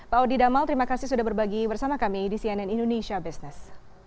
pak audi damal terima kasih sudah berbagi bersama kami di cnn indonesia business